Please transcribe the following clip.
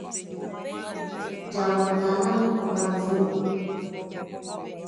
Jaguatána okarusúre.